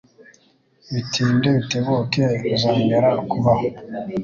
Bitinde bitebuke bizongera kubaho.